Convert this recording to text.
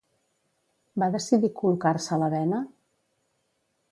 Va decidir col·locar-se la bena?